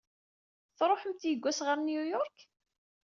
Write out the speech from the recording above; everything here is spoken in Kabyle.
Tṛuḥemt yewwas ɣer New York?